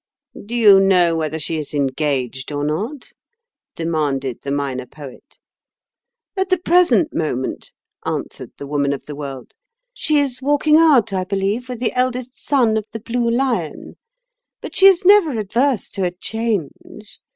"Do you know whether she is engaged or not?" demanded the Minor Poet. "At the present moment," answered the Woman of the World, "she is walking out, I believe, with the eldest son of the 'Blue Lion.' But she is never adverse to a change.